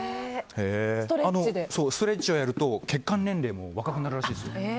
ストレッチをやると血管年齢も若くなるらしいですよ。